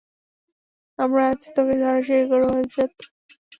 আমরা আজ তোকে ধরাশায়ী করবো, মাদারচোত।